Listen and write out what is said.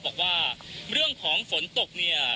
บอกว่าเรื่องของฝนตกเนี่ย